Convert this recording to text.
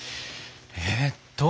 えっと。